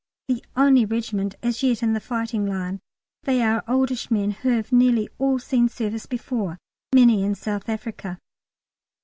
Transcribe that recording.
the only regiment as yet in the fighting line. They are oldish men who have nearly all seen service before, many in South Africa.